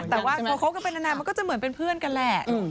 แต่ว่าพอคบกันไปนานมันก็จะเหมือนเป็นเพื่อนกันแหละ